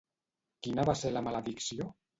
Quina va ser la maledicció?